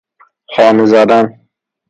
خامه زدن